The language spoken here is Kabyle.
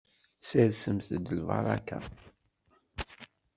Sersemt-d lbaraka.